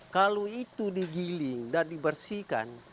kalau itu digiling dan dibersihkan